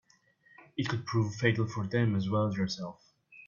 It could prove fatal for them as well as yourself.